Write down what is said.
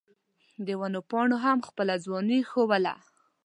د ونو پاڼو هم خپله ځواني ښووله.